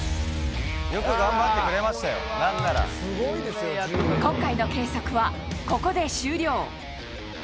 よく頑張ってくれましたよ、今回の計測は、ここで終了。